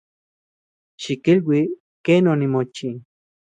Xikilui ken onimochi.